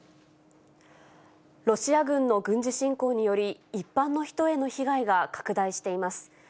ロシア軍の軍事侵攻により、一般の人への被害が拡大しています。